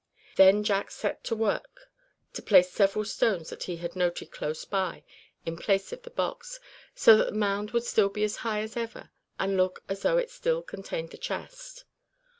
Then Jack set to work to place several stones that he had noted close by, in place of the box, so that the mound would still be as high as ever and look as it though it still contained the chest.